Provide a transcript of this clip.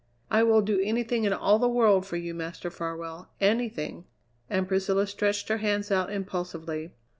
"I will do anything in all the world for you, Master Farwell; anything!" And Priscilla stretched her hands out impulsively.